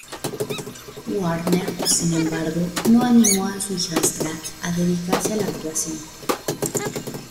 Warner, sin embargo, no animó a su hijastra a dedicarse a la actuación.